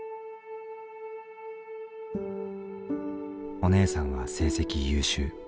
お姉さんは成績優秀。